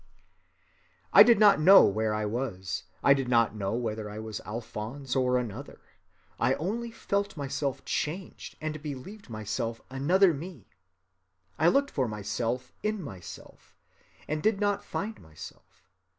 ] "I did not know where I was: I did not know whether I was Alphonse or another. I only felt myself changed and believed myself another me; I looked for myself in myself and did not find myself.